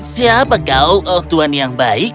siapa kau oh tuan yang baik